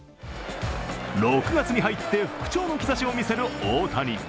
６月に入って復調の兆しを見せる大谷。